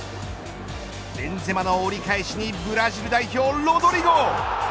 ベンゼマが折り返しにブラジル代表ロドリゴ。